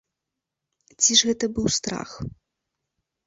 Ці ж гэта быў страх?!